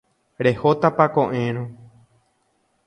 Rehótapa ko'ẽrõ.